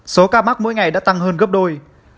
số ca mắc mỗi ngày đã tăng hơn gấp đôi